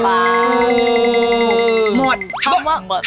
ปลาทูหมด